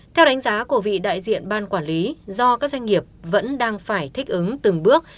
theo đánh giá của vị đại diện ban quản lý do các doanh nghiệp vẫn đang phải thích ứng từng bước